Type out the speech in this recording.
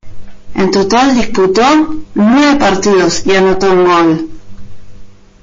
En total disputó nueve partidos y anotó un gol.